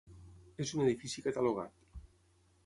És un edifici catalogat.